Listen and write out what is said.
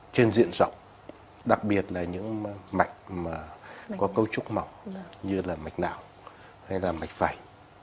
trên diện rộng đặc biệt là những mạch có cấu trúc mỏng như là mạch não hay là mạch phải